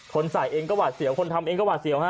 ใส่เองก็หวาดเสียวคนทำเองก็หวาดเสียวฮะ